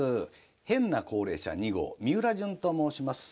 変な高齢者２号みうらじゅんと申します。